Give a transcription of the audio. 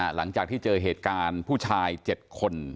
หลังจากที่เจอเหตุการณ์ผู้ชาย๗คน